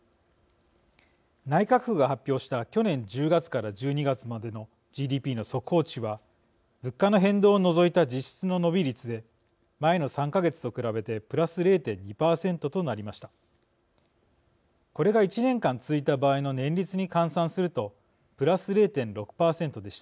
内閣府が発表した去年１０月から１２月までのＧＤＰの速報値は物価の変動を除いた実質の伸び率で前の３か月と比べてプラス０．２％となりました。